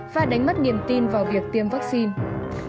và đánh mất niềm tin vào việc tiêm vaccine